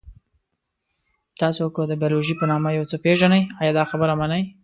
تاسو که د بیولوژي په نامه یو څه پېژنئ، ایا دا خبره منئ؟